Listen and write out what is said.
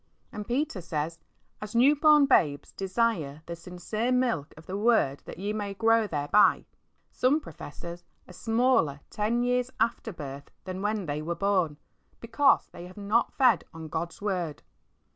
And Peter says, "As new born babes, desire the sincere milk of the Word that ye may grow thereby." Some professors are smaller ten years after birth than when they were born, because they have not fed on God's Word.